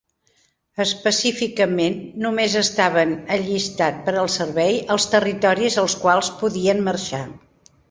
Específicament, només estaven allistat per al servei als territoris als quals podien marxar.